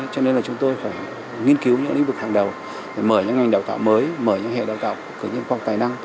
cho nên là chúng tôi phải nghiên cứu những lĩnh vực hàng đầu mở những ngành đào tạo mới mở những hệ đào tạo của những con tài năng